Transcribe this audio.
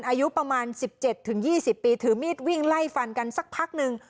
อายุประมาณ๑๗๒๐ปีถือมีดวิ่งไล่ฟันกันสักพักนึง